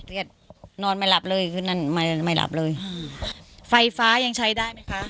นอนไม่หลับเลยคืนนั้นไม่ไม่หลับเลยอืมไฟฟ้ายังใช้ได้ไหมคะ